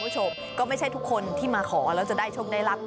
ชอบอ่างทองครับ